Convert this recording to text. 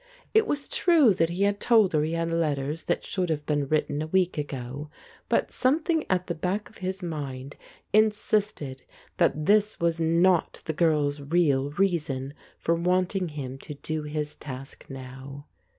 It was true that he had told her he had letters that should have been written a week ago, but something at the back of his mind insisted that this was not the girl's real reason for wanting him to do his task now.